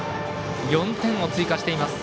４点を追加しています。